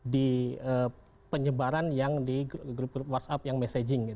di penyebaran yang di grup whatsapp yang messaging